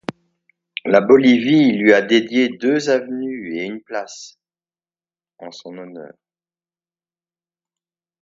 La Bolivie lui a dédié deux avenues et une place en son honneur.